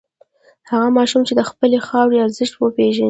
هغه ماشوم چې د خپلې خاورې ارزښت وپېژني.